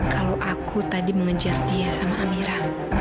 kalau aku tadi mengejar dia sama amira